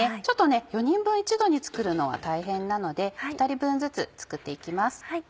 ちょっと４人分一度に作るのは大変なので２人分ずつ作って行きます。